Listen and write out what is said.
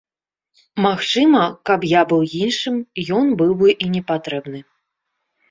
Магчыма, каб я быў іншым, ёй быў бы і не патрэбны.